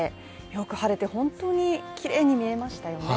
よく晴れて本当にきれいに見えましたよね。